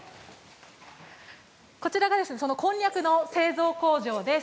こちらがこんにゃくの製造工場です。